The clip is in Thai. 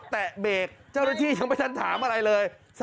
มันคงอัดอันมาหลายเรื่องนะมันเลยระเบิดออกมามีทั้งคำสลัดอะไรทั้งเต็มไปหมดเลยฮะ